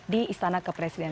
di istana kepresiden